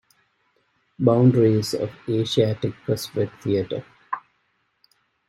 Boundaries of Asiatic-Pacific Theater.